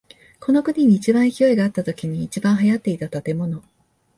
この国に一番勢いがあったときに一番流行っていた建物。